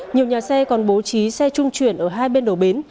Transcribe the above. nhiều nhà xe còn bố trí xe trung chuyển ở hai bên đầu bến